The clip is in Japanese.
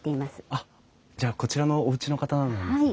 あっじゃあこちらのおうちの方なんですね。